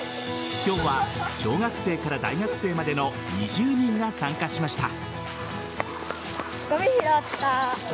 今日は小学生から大学生までの２０人が参加しました。